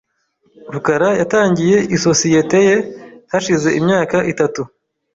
rukara yatangiye isosiyete ye hashize imyaka itatu .